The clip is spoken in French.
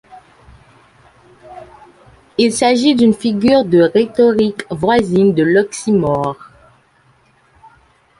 Il s'agit d'une figure de rhétorique voisine de l'oxymore.